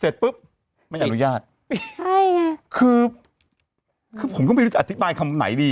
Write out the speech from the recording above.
เสร็จปุ๊บไม่อนุญาตใช่ไงคือคือผมก็ไม่รู้จะอธิบายคำไหนดี